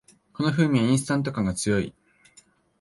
この風味はインスタント感が強い